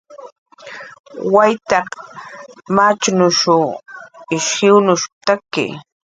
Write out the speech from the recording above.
"Waytq machnushuw ish jiwnushp""taki"